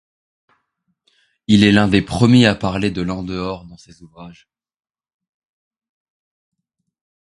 Il est l'un des premiers à parler de l'en-dehors dans ses ouvrages.